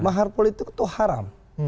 mahar politik itu haram